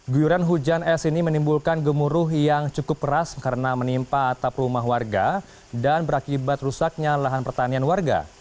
guyuran hujan es ini menimbulkan gemuruh yang cukup keras karena menimpa atap rumah warga dan berakibat rusaknya lahan pertanian warga